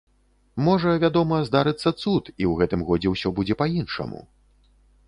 Можа, вядома, здарыцца цуд, і ў гэтым годзе ўсё будзе па-іншаму.